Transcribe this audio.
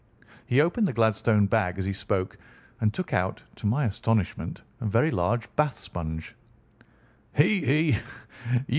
He opened the Gladstone bag as he spoke, and took out, to my astonishment, a very large bath sponge. "He! he!